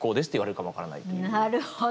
なるほど。